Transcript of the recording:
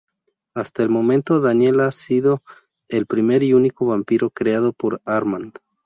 Hasta el momento Daniel ha sido el primer y único vampiro creado por Armand.